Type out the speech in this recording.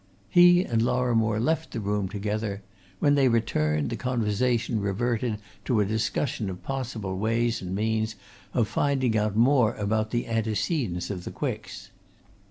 He and Lorrimore left the room together; when they returned, the conversation reverted to a discussion of possible ways and means of finding out more about the antecedents of the Quicks.